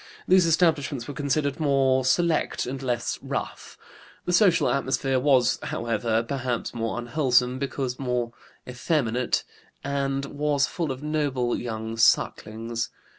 These establishments were considered more select and less 'rough.' The social atmosphere was, however, perhaps more unwholesome, because more effeminate, and was full of noble young sucklings.